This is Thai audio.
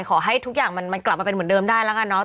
ขอให้ทุกอย่างมันกลับมาเป็นเหมือนเดิมได้แล้วกันเนาะ